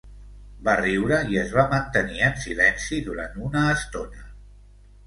Va riure i es va mantenir en silenci durant una estona.